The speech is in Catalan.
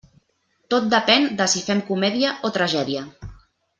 Tot depén de si fem comèdia o tragèdia.